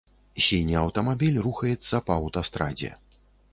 Сіні аўтамабіль рухаецца па аўтастрадзе.